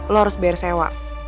lo harus bayar sewa